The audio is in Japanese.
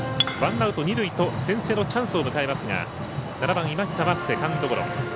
ワンアウト、二塁と先制のチャンスを迎えますが７番今北はセカンドゴロ。